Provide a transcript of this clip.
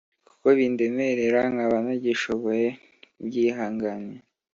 kuko bindemerera, nkaba ntagishoboye kubyihanganira.